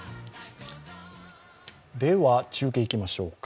では中継いきましょうか。